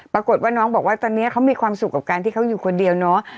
ปรากฏว่าน้องบอกว่าตอนนี้เขามีความสุขกับการที่เขาอยู่คนเดียวเนาะ